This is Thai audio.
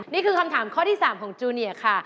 นี่คือคำถามข้อที่๓ของจูเนียค่ะ